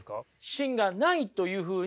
芯がないというふうに。